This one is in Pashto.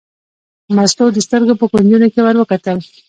مستو د سترګو په کونجونو کې ور وکتل.